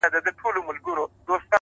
علم د پرمختګ اساس جوړوي.!